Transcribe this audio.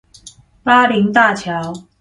巴陵大橋